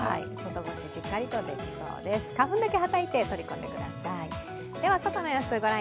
外干し、しっかりとできそうです花粉だけ、はたいて取り込んでください。